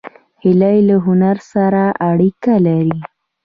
هیلۍ له هنر سره اړیکه لري